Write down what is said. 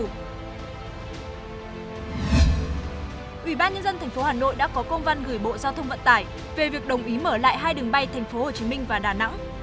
ủy ban nhân dân thành phố hà nội đã có công văn gửi bộ giao thông vận tải về việc đồng ý mở lại hai đường bay thành phố hồ chí minh và đà nẵng